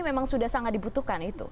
memang sudah sangat dibutuhkan itu